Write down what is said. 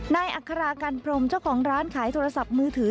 อัครากันพรมเจ้าของร้านขายโทรศัพท์มือถือ